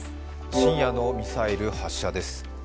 深夜のミサイル発射です。